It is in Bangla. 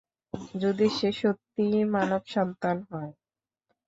যদি সে সত্যিই মানব সন্তান হয়?